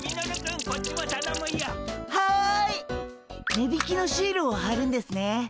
値引きのシールをはるんですね。